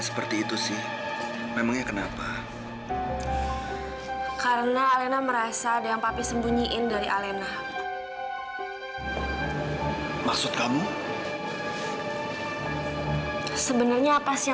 sampai jumpa di video selanjutnya